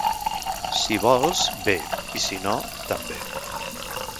Si vols, bé; i si no, també.